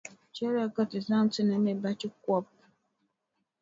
Chɛliya ka ti zaŋ ti ni mi bachikɔbʼ.